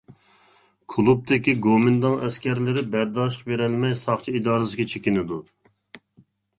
كۇلۇبتىكى گومىنداڭ ئەسكەرلىرى بەرداشلىق بېرەلمەي، ساقچى ئىدارىسىگە چېكىنىدۇ.